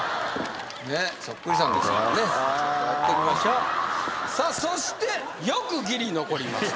ねっそっくりさんですからねちょっとやっときましょうさあそしてよくギリ残りました